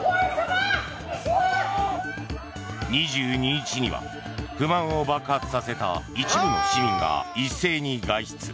２２日には不満を爆発させた一部の市民が一斉に外出。